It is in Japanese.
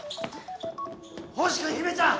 星君姫ちゃん！